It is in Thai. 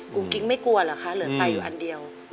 กิ๊กไม่กลัวเหรอคะเหลือไตอยู่อันเดียว